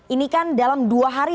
ini kan dalam dua hari